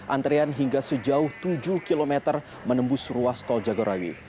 antrean hingga sejauh tujuh km menembus ruas tol jagorawi